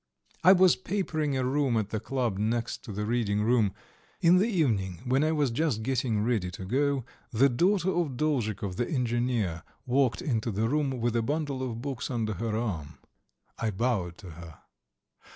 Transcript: I was papering a room at the club next to the reading room; in the evening, when I was just getting ready to go, the daughter of Dolzhikov, the engineer, walked into the room with a bundle of books under her arm. I bowed to her.